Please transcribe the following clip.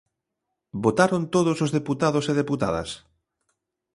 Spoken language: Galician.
¿Votaron todos os deputados e deputadas?